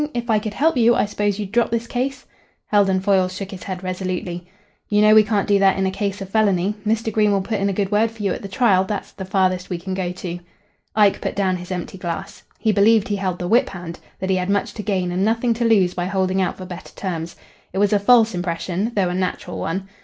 If I could help you I s'pose you'd drop this case?" Heldon Foyle shook his head resolutely. "You know we can't do that in a case of felony. Mr. Green will put in a good word for you at the trial. That's the farthest we can go to." Ike put down his empty glass. He believed he held the whip hand that he had much to gain and nothing to lose by holding out for better terms. It was a false impression, though a natural one.